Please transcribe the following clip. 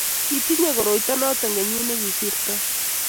kitinyei koroito noto kenyit ne kosirto